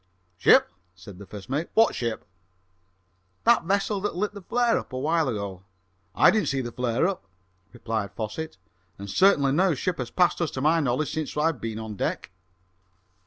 "Ship!" said the first mate. "What ship?" "That vessel that lit the flare up awhile ago." "I didn't see any flare up!" replied Mr Fosset, "and certainly no ship has passed us to my knowledge since I've been on deck."